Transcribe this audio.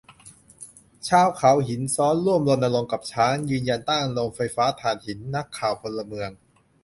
ชาวเขาหินซ้อนร่วมรณรงค์กับช้าง ยืนยันต้านโรงไฟฟ้าถ่านหิน นักข่าวพลเมือง